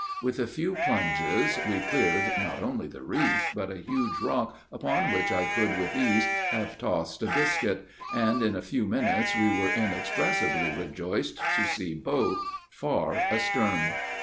With a few plunges, we cleared not only the reef, but a huge rock upon which I could with ease have tossed a biscuit, and in a few minutes we were inexpressibly rejoiced to see both far astern.